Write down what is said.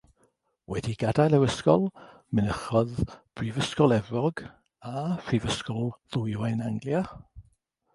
Wedi gadael yr ysgol mynychodd Brifysgol Efrog a Phrifysgol Ddwyrain Anglia.